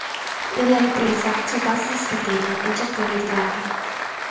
Nella ripresa Tsubasa si scatena e il Giappone dilaga.